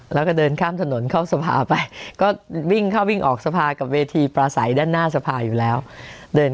แล้วก็เดินข้ามถนนเข้าสภาไป